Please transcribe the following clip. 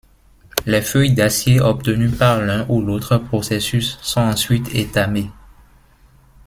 Les feuilles d'acier obtenues par l'un ou l'autre processus sont ensuite étamées.